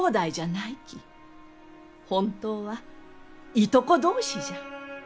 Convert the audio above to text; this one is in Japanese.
本当はいとこ同士じゃ。